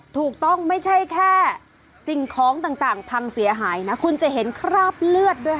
ถูกต้องไม่ใช่แค่สิ่งของต่างพังเสียหายนะคุณจะเห็นคราบเลือดด้วยค่ะ